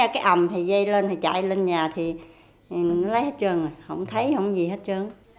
cái ầm thì dây lên chạy lên nhà thì lấy hết trơn rồi không thấy không gì hết trơn